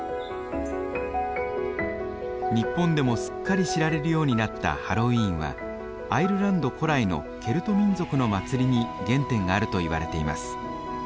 日本でもすっかり知られるようになったハロウィーンはアイルランド古来のケルト民族の祭りに原点があるといわれています。